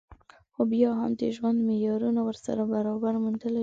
خو بيا هم د ژوند معيارونه ورسره برابري موندلی شي